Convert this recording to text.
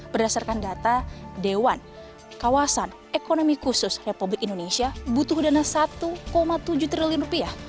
berdasarkan data dewan kawasan ekonomi khusus republik indonesia butuh dana satu tujuh triliun rupiah